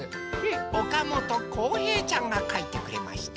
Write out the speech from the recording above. おかもとこうへいちゃんがかいてくれました。